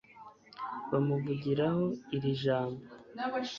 bamuvugiraho iri jambo